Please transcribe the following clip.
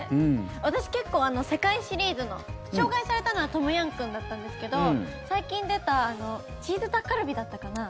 私結構、世界シリーズの紹介されたのはトムヤムクンだったんですけど最近出たチーズタッカルビだったかな。